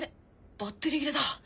バッテリー切れだ。